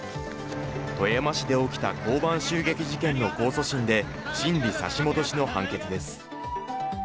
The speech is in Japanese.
富山市で起きた交番襲撃事件の控訴審で審理差し戻しの判決です。